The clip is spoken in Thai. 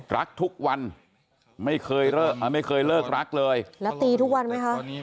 รักทุกวันไม่เคยไม่เคยเลิกรักเลยแล้วตีทุกวันไหมคะ